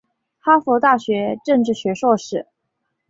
哈佛大学政治学硕士。